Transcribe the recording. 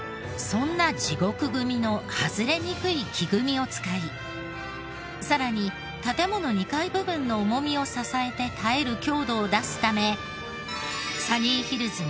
そんな地獄組の外れにくい木組みを使いさらに建もの２階部分の重みを支えて耐える強度を出すためサニーヒルズ